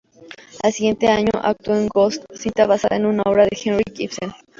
Al siguiente año actuó en "Ghosts", cinta basada en una obra de Henrik Ibsen.